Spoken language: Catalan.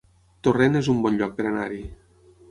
Torrent es un bon lloc per anar-hi